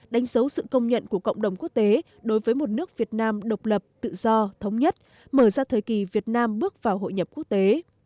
đánh dấu sự công nhận của cộng đồng quốc tế đối với một nước việt nam độc lập tự do thống nhất mở ra thời kỳ việt nam bước vào hội nhập quốc tế